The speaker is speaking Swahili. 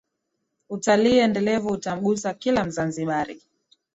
Utalii endelevu utamgusa kila Mzanzibari